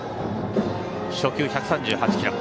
初球は１３８キロ。